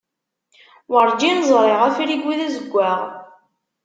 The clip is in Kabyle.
Werǧin ẓriɣ afrigu d azeggaɣ.